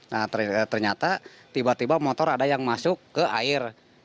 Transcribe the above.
nah ternyata tiba tiba motor ada yang masuk ke air